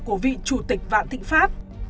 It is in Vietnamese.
của vị chủ tịch vạn tịnh pháp